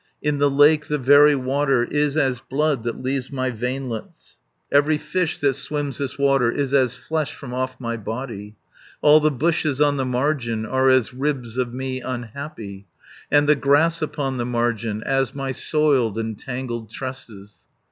In the lake the very water Is as blood that leaves my veinlets; Every fish that swims this water, Is as flesh from off my body; All the bushes on the margin Are as ribs of me unhappy; And the grass upon the margin As my soiled and tangled tresses."